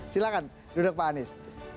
silahkan duduk pak anies